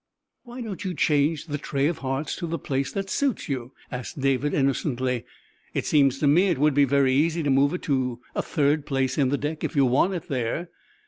"Why don't you change the trey of hearts to the place that suits you?" asked David, innocently. "It seems to me it would be very easy to move it to third place in the deck if you want it there."